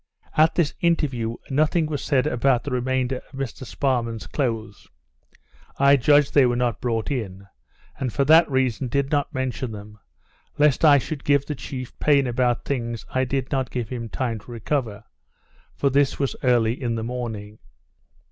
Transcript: At this interview nothing was said about the remainder of Mr Sparrman's clothes. I judged they were not brought in; and for that reason did not mention them, lest I should give the chief pain about things I did not give him time to recover; for this was early in the morning.